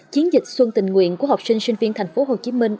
chiến dịch xuân tình nguyện của học sinh sinh viên thành phố hồ chí minh